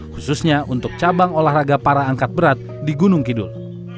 khususnya untuk cabang olahraga para angkat berat di gunung kidul